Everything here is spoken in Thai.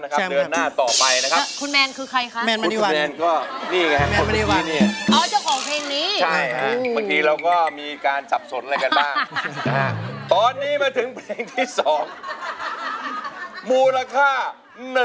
ขออีกทีนะครับ